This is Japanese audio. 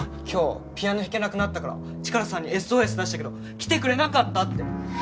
今日ピアノ弾けなくなったからチカラさんにＳＯＳ出したけど来てくれなかったって。